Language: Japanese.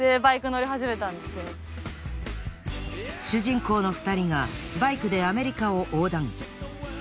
主人公の２人がバイクでアメリカを横断。